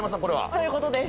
そういうことです。